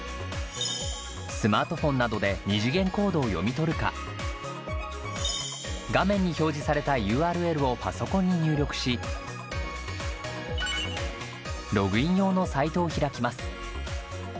スマートフォンなどで２次元コードを読み取るか画面に表示されたＵＲＬをパソコンに入力しログイン用のサイトを開きます。